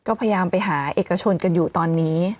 ก็พยายามไปหาเอกชนกันอยู่ตอนนี้